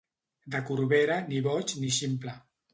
De Corbera, ni boig ni ximple.